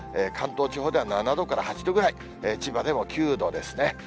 関東地方では７度から８度ぐらい、千葉でも９度ですね。